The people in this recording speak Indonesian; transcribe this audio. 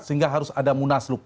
sehingga harus ada munaslub